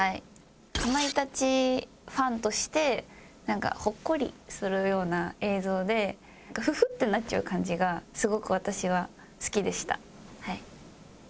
かまいたちファンとしてほっこりするような映像でフフッてなっちゃう感じがすごく私は好きでした。